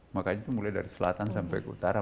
makanya itu mulai dari selatan sampai ke utara